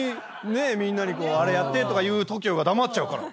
みんなにあれやってとか言うＴＯＫＩＯが黙っちゃうから。